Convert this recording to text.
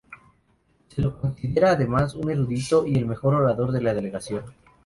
Se lo consideraba además un erudito y el mejor orador de la delegación.